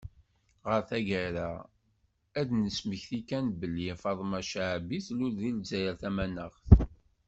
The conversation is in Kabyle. Ɣer taggara, ad d-nesmekti kan belli, Faṭma Caɛbi tlul deg Lezzayer Tamaneɣ.